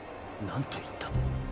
何と言った？